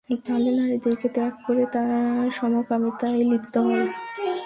তাহলো, নারীদেরকে ত্যাগ করে তারা সমকামিতায় লিপ্ত হয়।